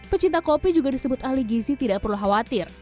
pecinta kopi juga disebut ahli gizi tidak perlu khawatir